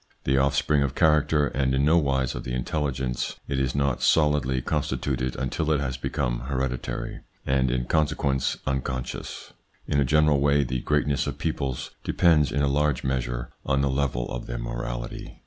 The off spring of character, and in nowise of the intelligence, it is not solidly constituted until it has become hereditary, and, in consequence, unconscious. In a general way the greatness of peoples depends in a large measure on the level of their morality.